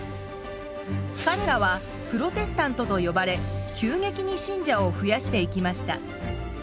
かれらはプロテスタントと呼ばれ急激に信者を増やしていきました。